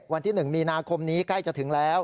วันที่๑มีนาคมนี้ใกล้จะถึงแล้ว